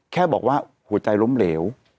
แค่บอกว่าหัวใจล้มเหลว